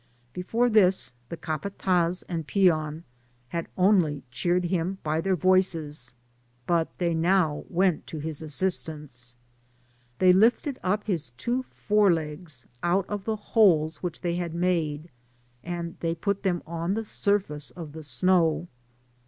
Before this the capatdz and peon had only cheered him by their voices, but they now went to his asnstanc^. They lifted up his two fore legs out of the holes which they had made, and they put them on the surface of the snow.